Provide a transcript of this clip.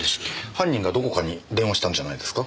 犯人がどこかに電話したんじゃないですか？